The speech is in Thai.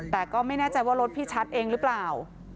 แต่ก็ไม่แน่ใจว่ารถพี่ชัดเองหรือเปล่า